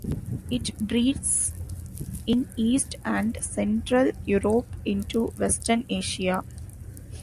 It breeds in east and central Europe into western Asia.